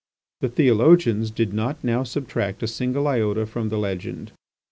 The theologians did not now subtract a single iota from the legend.